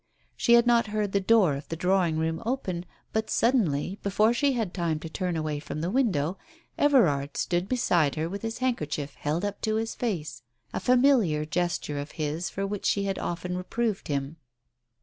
She had not heard the door of the drawing room open, but suddenly, before she had time to turn away from the window, Everard stood beside her with his handkerchief held up to his face, a familiar gesture of his for which she had often reproved him.